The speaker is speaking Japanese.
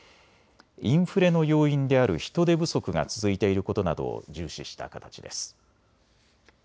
インフレの要因である人手不足が続いていることなどを重視した形です。